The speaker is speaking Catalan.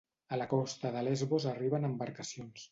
A la costa de Lesbos arriben embarcacions